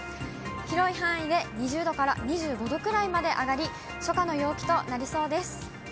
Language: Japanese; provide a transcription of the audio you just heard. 広い範囲で２０度から２５度くらいまで上がり、初夏の陽気となりそうです。